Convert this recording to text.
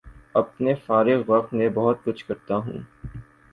اپنے فارغ وقت میں بہت کچھ کرتا ہوں